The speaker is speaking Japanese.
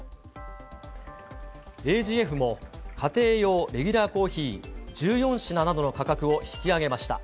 ＡＧＦも家庭用レギュラーコーヒー１４品などの価格を引き上げました。